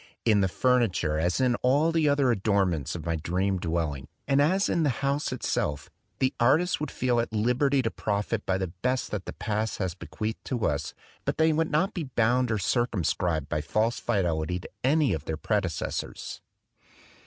In the furniture, as in all the other adornments of my dream dwelling, and as in the house itself, the artists would feel at liberty to profit by the best that the past has bequeathed to us, but they would not be bound or circumscribed by a false fidelity to any of their predecessors.